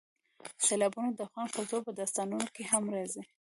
سیلابونه د افغان کلتور په داستانونو کې هم راځي.